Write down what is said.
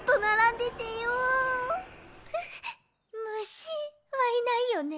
虫はいないよね？